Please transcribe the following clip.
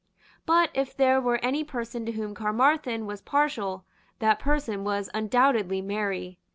But, if there were any person to whom Caermarthen was partial, that person was undoubtedly Mary.